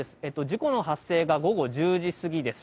事故の発生が午後１０時過ぎです。